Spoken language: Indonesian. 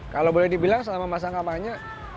kalau boleh dibilang sama mas angka panya